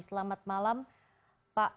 selamat malam pak purwadi